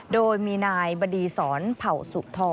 โดยมีนายบดีศรเผ่าสุธร